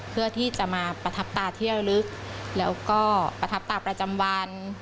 เพื่อที่จะมาประทับตาเที่ยวลึกแล้วก็ประทับตาประจำวัน